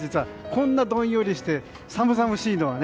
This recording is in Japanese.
こんなどんよりして寒々しいのは。